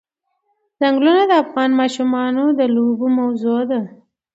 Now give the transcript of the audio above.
چنګلونه د افغان ماشومانو د لوبو موضوع ده.